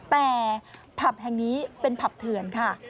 แต่ผับแห่งนี้เป็นผับเถื่อนค่ะ